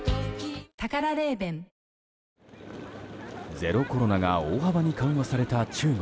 ゼロコロナが大幅に緩和された中国。